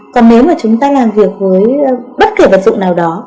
còn nếu mà chúng ta làm việc với bất kỳ vật dụng nào đó